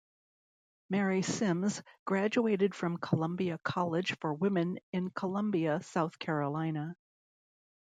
Mary Simms graduated from Columbia College for Women in Columbia, South Carolina.